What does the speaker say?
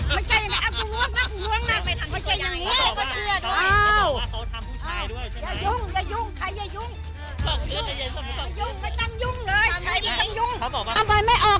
มึงต้องชื่เขนเป็นใครคุณสายเพื่อไม่ให้ลุก